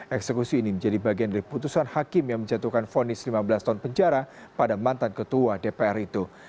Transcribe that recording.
eksekusi ini menjadi bagian dari putusan hakim yang menjatuhkan fonis lima belas tahun penjara pada mantan ketua dpr itu